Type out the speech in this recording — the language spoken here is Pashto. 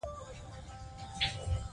وږي یې نیولي ول.